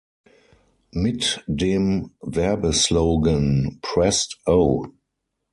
Mit dem Werbeslogan „Prest-o!